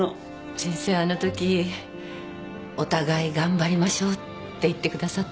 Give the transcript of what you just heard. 先生あのとき「お互い頑張りましょう」って言ってくださって。